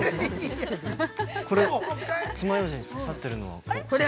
◆これ、爪ようじに刺さっているのは。